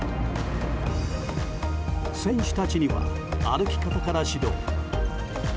選手たちには歩き方から指導。